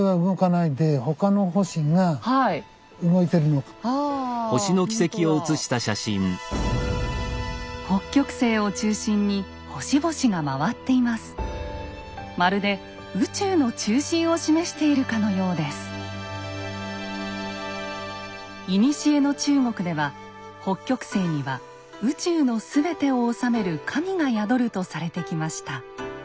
いにしえの中国では北極星には宇宙の全てを治める神が宿るとされてきました。